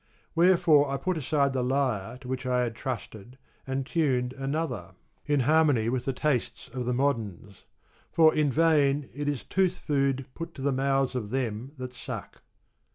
Wherefore I put aside the lyre to which I had trusted, and tuned another, in harmony with the tastes of the moderns ; for in vain is tooth food put to the mouths of them that suck."